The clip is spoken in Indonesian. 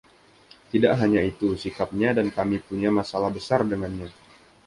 Tidak hanya itu, sikapnya, dan kami punya masalah besar dengannya.